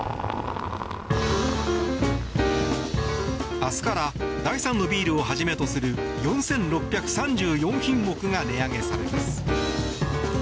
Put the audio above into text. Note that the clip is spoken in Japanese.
明日から第３のビールをはじめとする４６３４品目が値上げされます。